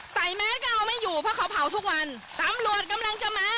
แมสก็เอาไม่อยู่เพราะเขาเผาทุกวันตำรวจกำลังจะมา